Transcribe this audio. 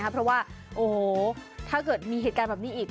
เพราะว่าโอ้โหถ้าเกิดมีเหตุการณ์แบบนี้อีก